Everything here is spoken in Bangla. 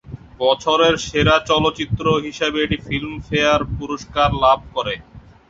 বছরের সেরা চলচ্চিত্র হিসেবে এটি ফিল্মফেয়ার পুরস্কার লাভ করে।